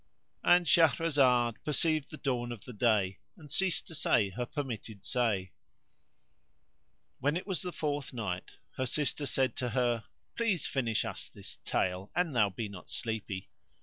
And Shahrazad perceived the dawn of day and ceased to say her permitted say. When it was the Fourth Night, Her sister said to her, "Please finish us this tale, an thou be not sleepy!"